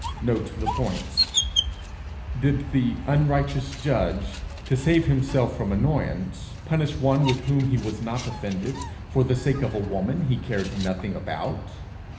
Note the points: 'Did the unrighteous judge, to save himself from annoyance, punish one with whom he was not offended, for the sake of a woman he cared nothing about?